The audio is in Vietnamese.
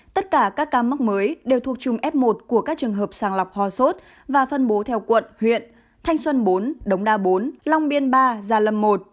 tất cả các ca mắc mới đều thuộc chung f một của các trường hợp sàng lọc ho sốt và phân bố theo quận huyện thanh xuân bốn đống đa bốn long biên ba gia lâm một